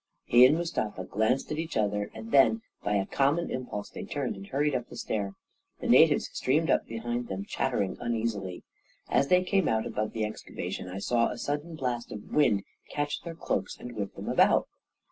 He and Mustafa glanced at each other, then, by a common impulse, they turned and hurried up the stair. The natives streamed up behind them, chat tering uneasily. As they came out above the exca vation, I saw a sudden blast of wind catch their cloaks and whip them about.